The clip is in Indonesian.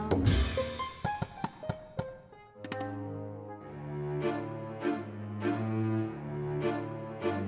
ini seperti gerobak yang dulu kita curi